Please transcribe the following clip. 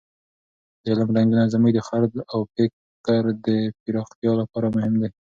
د علم رنګونه زموږ د خرد او فکر د پراختیا لپاره مهم دي.